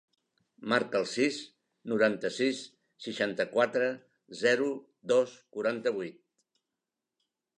Marca el sis, noranta-sis, seixanta-quatre, zero, dos, quaranta-vuit.